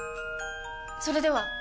それでは！